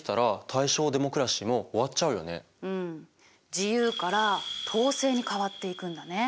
自由から統制に変わっていくんだね。